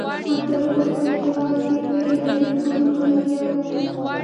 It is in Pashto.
ابدالي په خپل هیواد کې په اداري کارونو لګیا وو.